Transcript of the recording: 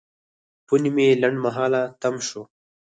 فون مې لنډمهاله تم شو.